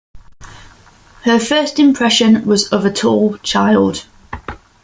Her first impression was of a tall child.